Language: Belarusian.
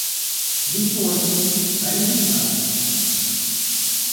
Высокі, але не надта.